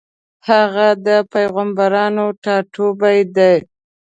هغه د پېغمبرانو ټاټوبی دی.